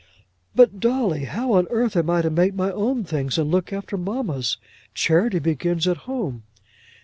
"But, Dolly, how on earth am I to make my own things, and look after mamma's? Charity begins at home."